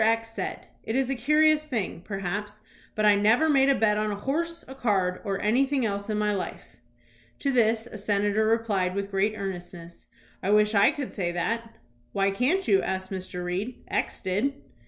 X said: "It is a curious thing, perhaps, but I never made a bet on a horse, a card, or anything else in my life." To this a senator replied with great earnestness: "I wish I could say that." "Why can't you?" asked Mr. Reed. "X did."